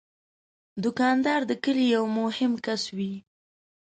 دوکاندار د کلي یو مهم کس وي.